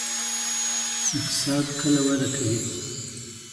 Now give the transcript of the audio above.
اقتصاد کله وده کوي؟